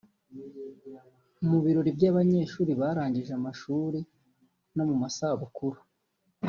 mu birori by’abanyeshuri barangije amashuri no mu masabukuru